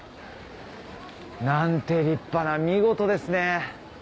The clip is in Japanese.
何て立派な見事ですね！